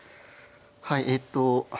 はいえっと